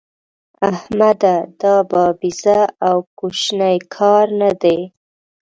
احمده! دا بابېزه او کوشنی کار نه دی.